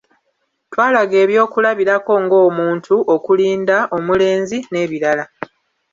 Twalaga ebyokulabirako nga omuntu, okulinda, omulenzi n'ebirala.